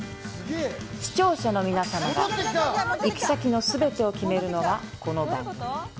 視聴者の皆さまが行先のすべてを決めるのがこの番組。